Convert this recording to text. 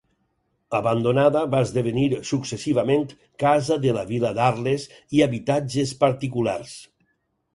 Abandonada, va esdevenir successivament Casa de la Vila d'Arles i habitatges particulars.